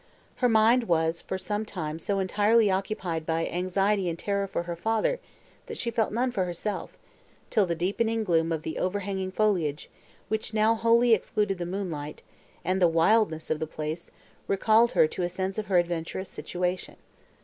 Her mind was for some time so entirely occupied by anxiety and terror for her father, that she felt none for herself, till the deepening gloom of the overhanging foliage, which now wholly excluded the moonlight, and the wildness of the place, recalled her to a sense of her adventurous situation.